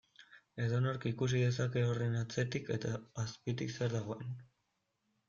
Edonork ikus dezake horren atzetik edo azpitik zer dagoen.